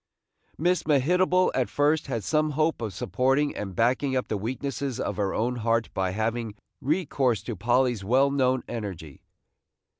Miss Mehitable at first had some hope of supporting and backing up the weaknesses of her own heart by having recourse to Polly's well known energy.